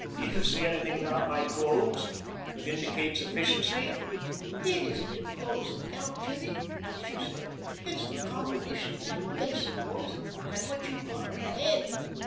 Do you see anything about my clothes that indicates efficiency?" "It isn't your clothes that count, Jimmy," she said, "it's the combination of that face of yours and what you've got in your head.